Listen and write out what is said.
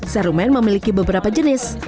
serumen memiliki beberapa jenis